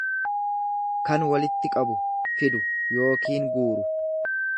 kan walitti qabu, fidu yookiin guuru.